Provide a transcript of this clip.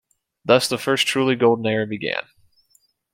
Thus the first truly golden era began.